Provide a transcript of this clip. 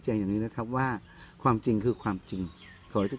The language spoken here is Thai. อย่างนี้นะครับว่าความจริงคือความจริงขอให้ทุก